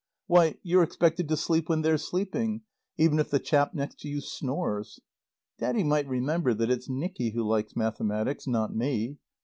Why, you're expected to sleep when they're sleeping, even if the chap next you snores. Daddy might remember that it's Nicky who likes mathematics, not me.